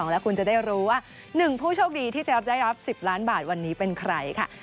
แล้วคุณจะได้รู้ว่า๑ผู้โชคดีที่จะได้รับ๑๐ล้านบาทวันนี้เป็นใครค่ะ